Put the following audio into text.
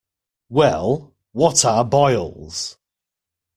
Well, what are boils?